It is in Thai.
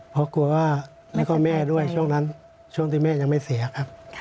เพราะกลัวว่าแล้วก็แม่ด้วยช่วงนั้นช่วงที่แม่ยังไม่เสียครับ